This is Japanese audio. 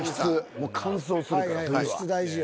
もう乾燥するから冬は。